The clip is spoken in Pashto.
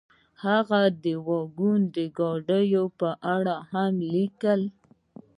د هغه واګون یا ګاډۍ په اړه هم ولیکه.